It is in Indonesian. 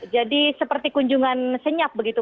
jadi seperti kunjungan senyap begitu